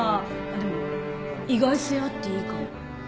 あっでも意外性あっていいかも。